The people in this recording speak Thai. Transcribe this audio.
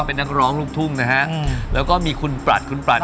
ก็เป็นนักร้องลูกทุ่มนะฮะอืมแล้วก็มีคุณปรัสคุณปรัส